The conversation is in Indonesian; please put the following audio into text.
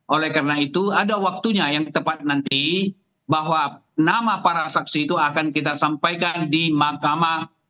oleh karena itu ada waktunya yang tepat nanti bahwa nama para saksi itu akan kita sampaikan di mahkamah